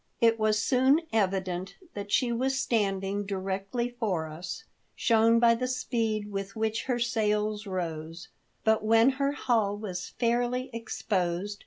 It was soon evident that she was stand ing directly for us, shown by the speed with which her sails rose ; but when her hull was fairly exposed.